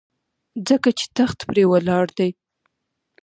ځکه چې تخت پرې ولاړ دی.